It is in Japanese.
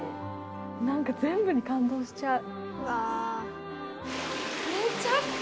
何か全部に感動しちゃう。